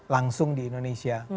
langsung di indonesia